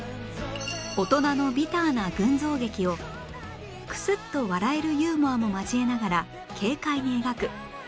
大人のビターな群像劇をクスッと笑えるユーモアも交えながら軽快に描く